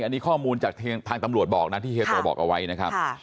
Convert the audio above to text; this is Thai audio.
อันนี้ข้อมูลจากทางตำรวจบอกนะที่เฮียโตบอกเอาไว้นะครับ